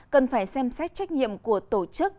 cần phải xem xét trách nhiệm của tổ chức